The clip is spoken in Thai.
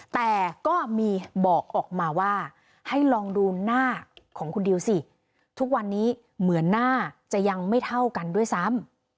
แต่ก็มีบอกออกมาว่าให้ลองดูหน้าของคุณดิวสิทุกวันนี้เหมือนหน้าจะยังไม่เท่ากันด้วยซ้ำ